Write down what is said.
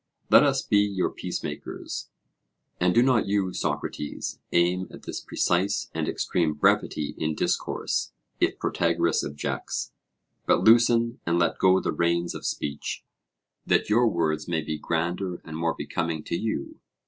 Let us be your peacemakers. And do not you, Socrates, aim at this precise and extreme brevity in discourse, if Protagoras objects, but loosen and let go the reins of speech, that your words may be grander and more becoming to you.